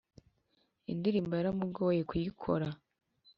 iyindirimbo yaramugoye kuyikora